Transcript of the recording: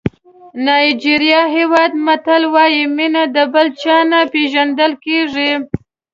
نایجېریا هېواد متل وایي مینه د بل چا نه پېژندل کېږي.